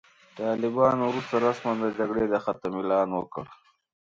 طالبانو وروسته رسماً د جګړې د ختم اعلان وکړ.